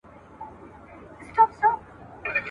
ټول د نورو له عیبونو پړسېدلی !.